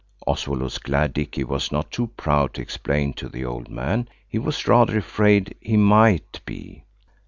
Oswald was glad Dicky was not too proud to explain to the old man. He was rather afraid he might be.